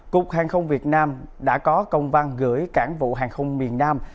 cục hàng không việt nam đã có công văn gửi cảng vụ hàng không miền nam